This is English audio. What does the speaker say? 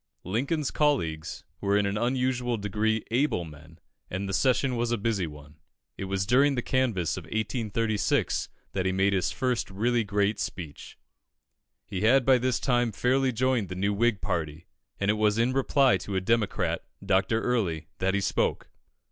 Lincoln's colleagues were in an unusual degree able men, and the session was a busy one. It was during the canvass of 1836 that he made his first really great speech. He had by this time fairly joined the new Whig party, and it was in reply to a Democrat, Dr. Early, that he spoke.